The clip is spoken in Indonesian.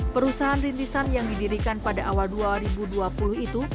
perusahaan rintisan yang didirikan pada awal dua ribu dua puluh itu